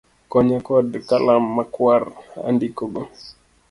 Konya kod Kalam makwar andikgo